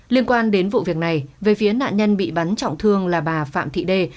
liên quan đến vụ việc này về phía nạn nhân bị bắn trọng thương là bà phạm thị đê